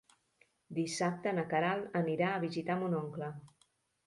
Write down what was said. Dissabte na Queralt anirà a visitar mon oncle.